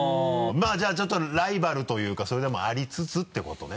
まぁじゃあちょっとライバルというかそういうのもありつつってことね。